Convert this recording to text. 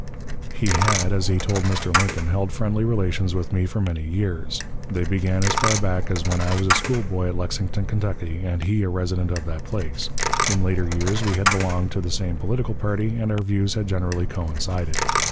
He had, as he told Mr. Lincoln, held friendly relations with me for many years; they began as far back as when I was a schoolboy at Lexington, Kentucky, and he a resident of that place. In later years we had belonged to the same political party, and our views had generally coincided.